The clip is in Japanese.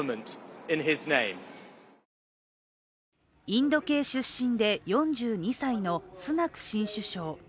インド系出身で４２歳のスナク新首相。